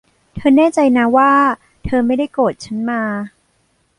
เธอแน่ใจนะว่าเธอไม่ได้โกรธฉัน มา